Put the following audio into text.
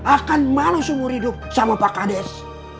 akan malu seumur hidup sama pak kades